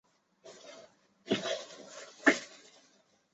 他那直白的写作风格至今仍然震撼了很多读者。